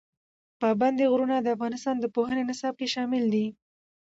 پابندی غرونه د افغانستان د پوهنې نصاب کې شامل دي.